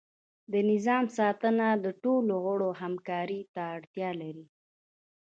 د نظام ساتنه د ټولو غړو همکاری ته اړتیا لري.